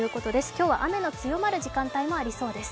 今日は雨の強まる時間帯もありそうです。